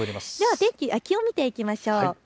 気温を見ていきましょう。